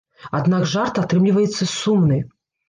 Аднак жарт атрымліваецца сумны.